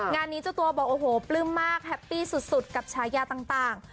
งานนี้เจ้าตัวบอกโอ้โหปลื้มมากแฮปปี้สุดกับฉายาต่าง